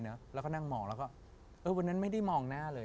นั่งมองครับว่างันนั้นไม่ได้มองหน้าเลย